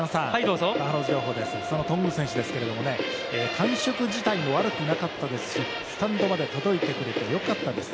その頓宮選手ですけれども、感触自体も悪くなかったですけど、スタンドまで届いてくれてよかったです